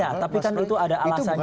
ya tapi itu ada alasannya